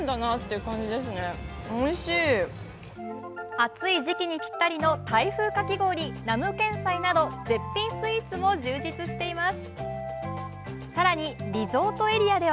暑い時期にぴったりのタイ風かき氷、ナムケンサイなど絶品スイーツも充実しています。